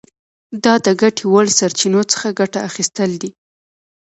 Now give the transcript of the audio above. دا د ګټې وړ سرچینو څخه ګټه اخیستل دي.